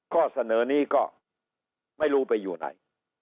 ข้อเสนอนี้ก็ไม่รู้ไปอยู่ไหน